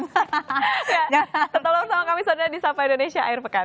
tetolong sama kami di sapa indonesia air pekan